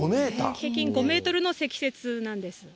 平均５メートルの積雪なんです。